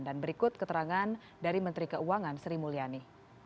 dan berikut keterangan dari menteri keuangan sri mulyani